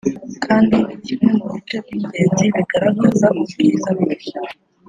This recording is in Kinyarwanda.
kandi ni kimwe mu bice by’ingenzi bigaragaza ubwiza bwe